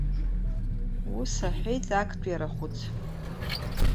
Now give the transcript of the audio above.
Ус аҳәеит актәи арахәыц.